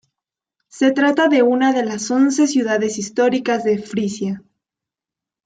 Se trata de una de las once ciudades históricas de Frisia.